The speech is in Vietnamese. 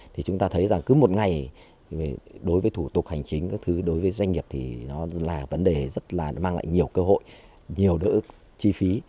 thì chúng ta thấy rằng cứ một ngày đối với thủ tục hành chính các thứ đối với doanh nghiệp thì nó là vấn đề rất là mang lại nhiều cơ hội nhiều đỡ chi phí